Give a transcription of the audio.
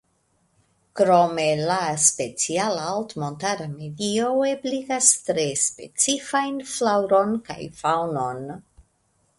Krome la speciala altmontara medio ebligas tre specifajn flaŭron kaj faŭnon.